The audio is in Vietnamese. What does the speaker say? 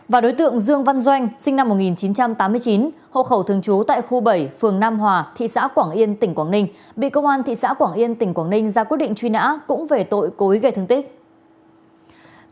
và đối tượng dương văn doanh sinh năm một nghìn chín trăm tám mươi chín hộ khẩu thường trú tại khu bảy phường nam hòa thị xã quảng yên tỉnh quảng ninh bị công an thị xã quảng yên tỉnh quảng ninh ra quyết định truy nã cũng về tội cố ý gây thương tích